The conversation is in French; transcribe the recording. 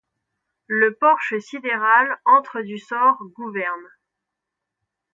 Le porche sidéral, antre du sort, gouverne